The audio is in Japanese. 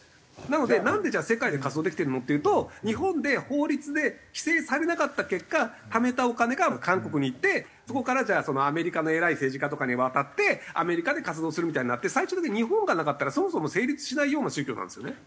なのでなんでじゃあ世界で活動できてるの？っていうと日本で法律で規制されなかった結果ためたお金が韓国にいってそこからじゃあアメリカの偉い政治家とかに渡ってアメリカで活動するみたいになって最終的に日本がなかったらそもそも成立しないような宗教なんですよね。